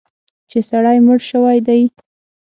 چې سړی مړ شوی دی.